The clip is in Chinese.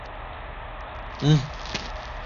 阿尔藏人口变化图示